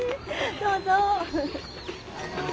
どうぞ。